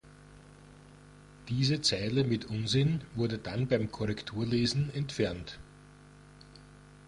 Diese Zeile mit Unsinn wurde dann beim Korrekturlesen entfernt.